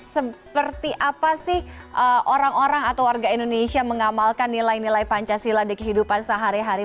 seperti apa sih orang orang atau warga indonesia mengamalkan nilai nilai pancasila di kehidupan sehari hari